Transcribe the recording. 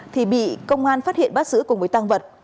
thì bị công an phát hiện bắt giữ cùng với tăng vật